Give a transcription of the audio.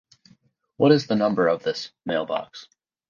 What is the number of this "Mailbox"?